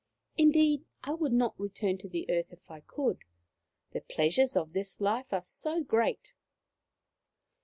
Indeed, I would not return to the earth if I could, the pleasures of this life are so great.